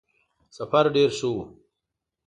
سفر ډېر ښه وو.